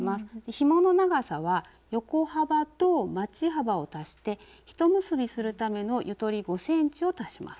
ひもの長さは横幅とまち幅を足して一結びするためのゆとり５ｃｍを足します。